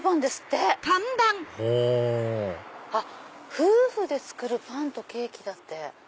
「夫婦で作るパンとケーキ」だって。